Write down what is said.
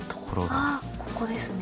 あっここですね。